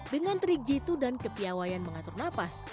dengan trik jitu dan kepiawayan mengatur nafas